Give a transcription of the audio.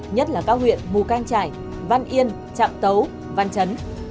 nhất là các huyện mù cang trải văn yên trạm tấu văn chấn